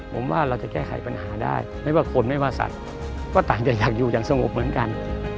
ผมว่าเราจะแก้ไขปัญหาได้ไม่ว่าคนไม่ว่าสัตว์ก็ต่างจะอยากอยู่อย่างสงบเหมือนกัน